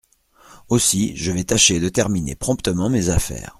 Aussi je vais tâcher de terminer promptement mes affaires !